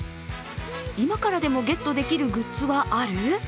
今からでもゲットできるグッズはある？